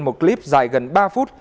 một clip dài gần ba phút